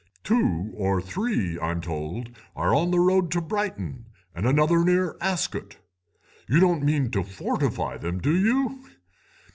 Two or three, I'm told, are on the road to Brighton, and another near Ascot. You don't mean to fortify them, do you?